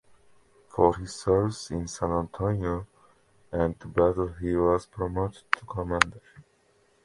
For his services in "San Antoine" and the battle he was promoted to commander.